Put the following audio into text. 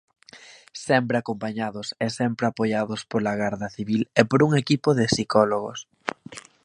Sempre acompañados e sempre apoiados pola Garda Civil e por un equipo de psicólogos.